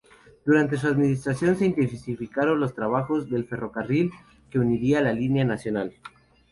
Durante su administración se intensificaron los trabajos del ferrocarril que uniría la línea nacional.